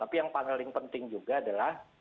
tapi yang paling penting juga adalah